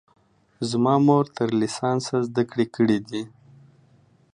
زما مور تر لیسانسه زده کړې کړي دي